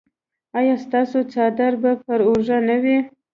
ایا ستاسو څادر به پر اوږه نه وي؟